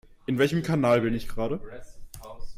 In welchem Kanal bin ich gerade?